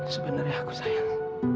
sebenarnya aku sayang